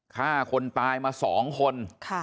ฆ่าคนตายมา๒คน